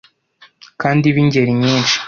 kandi bingeri nyinshi